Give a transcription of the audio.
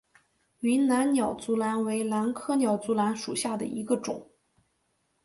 云南鸟足兰为兰科鸟足兰属下的一个种。